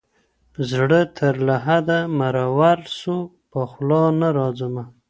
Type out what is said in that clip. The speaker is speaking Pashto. زړه تر لحده مرور سو پخلا نه راځمه